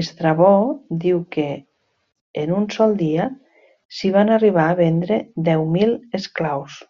Estrabó diu que en un sol dia s'hi van arribar a vendre deu mil esclaus.